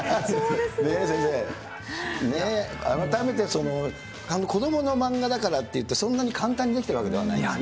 改めて子どもの漫画だからっていってそんなに簡単にできているわけではないんですね。